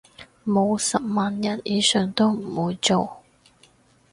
冇十萬人以上都唔會做